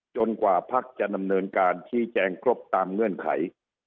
กว่าพักจะดำเนินการชี้แจงครบตามเงื่อนไข